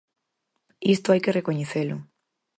Isto hai que recoñecelo.